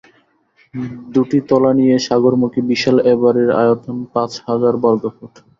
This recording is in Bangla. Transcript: দুটি তলা নিয়ে সাগরমুখী বিশাল এ বাড়ির আয়তন পাঁচ হাজার বর্গফুট।